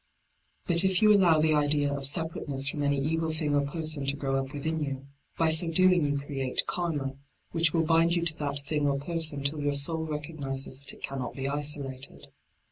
But if you allow the idea of separateness from any evil thing or person to grow up within you, by so doing you create Karma, which d by Google LIGHT ON THE PATH 23 will bind you to that thing Or person till your soul recognises that it cannot be isolated.